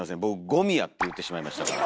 「ゴミや」って言うてしまいましたから。